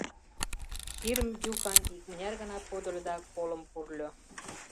Хирм Юхан икмыняр гана подыльо да колым пурльо.